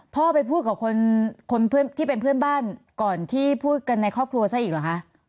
พ่อไปพูดกับคนที่เป็นเพื่อนบ้านก่อนที่พูดกันในครอบครัวซะอีกเหรอคะ